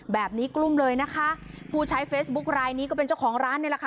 กลุ้มเลยนะคะผู้ใช้เฟซบุ๊คลายนี้ก็เป็นเจ้าของร้านนี่แหละค่ะ